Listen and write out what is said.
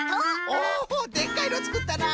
おおでっかいのつくったな！